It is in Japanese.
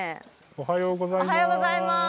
おはようございます。